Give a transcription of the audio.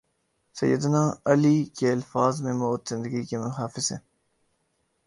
سید نا علیؓ کے الفاظ میں موت زندگی کی محافظ ہے۔